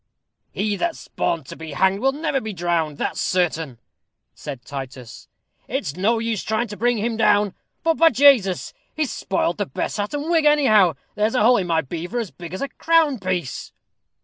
"He that's born to be hanged will never be drowned, that's certain," said Titus. "It's no use trying to bring him down. But, by Jasus! he's spoiled my best hat and wig, anyhow. There's a hole in my beaver as big as a crown piece."